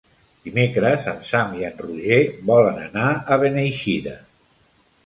Dimecres en Sam i en Roger volen anar a Beneixida.